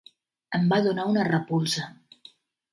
Em va donar una repulsa!